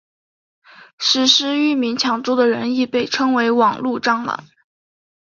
实施域名抢注的人亦被称为网路蟑螂。